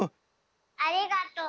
ありがとう。